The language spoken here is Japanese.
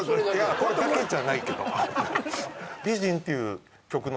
これだけじゃないけど。